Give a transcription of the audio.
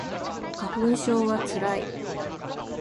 花粉症はつらい